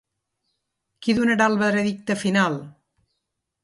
Qui donarà el veredicte final?